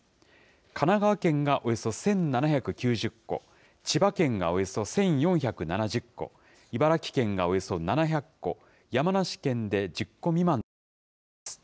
神奈川県がおよそ１７９０戸、千葉県がおよそ１４７０戸、茨城県がおよそ７００戸、山梨県で１０戸未満となっています。